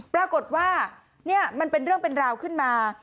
ปรากฏว่านี่มันเป็นเรื่องเป็นราวขึ้นมา